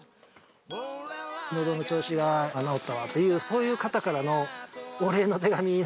のどの調子が治ったわっていうそういう方からのお礼の手紙なんです